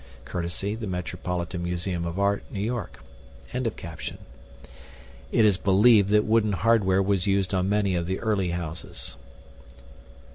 (Courtesy, The Metropolitan Museum of Art, New York.)] It is believed that wooden hardware was used on many of the early houses.